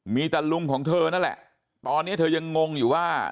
มีแต่ลุงของเธอนั่นแหละตอนนี้เธอยังงงอยู่ว่า